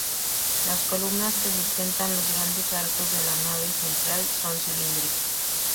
Las columnas que sustentan los grandes arcos de la nave central son cilíndricas.